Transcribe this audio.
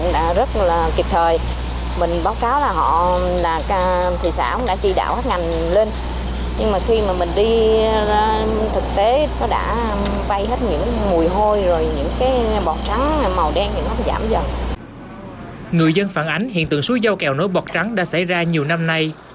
người dân phản ánh hiện tượng súi giao kẹo nổi bọt trắng đã xảy ra nhiều năm nay